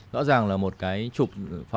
rõ ràng là một cái chụp